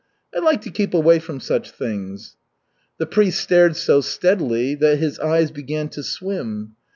I like to keep away from such things." The priest stared so steadily that his eyes began to swim.